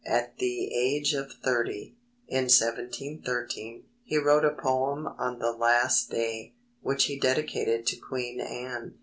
At the age of thirty, in 1713, he wrote a Poem on the Last Day, which he dedicated to Queen Anne.